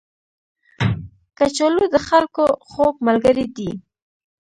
کچالو د خلکو خوږ ملګری دی